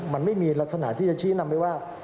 มันไม่มีลักษณะที่จะชี้นำไปว่า